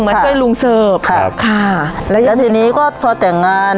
ช่วยลุงเสิร์ฟครับค่ะแล้วทีนี้ก็พอแต่งงาน